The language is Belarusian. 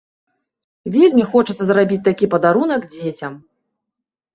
Вельмі хочацца зрабіць такі падарунак дзецям.